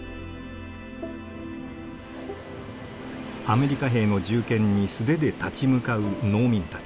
アメリカ兵の銃剣に素手で立ち向かう農民たち。